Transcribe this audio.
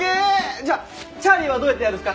じゃあチャーリーはどうやってやるんすか？